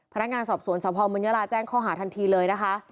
พนักงานสอบสวนสพเมืองยาลาแจ้งข้อหาทันทีเลยนะคะ